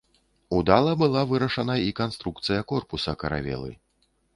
Удала была вырашана і канструкцыя корпуса каравелы.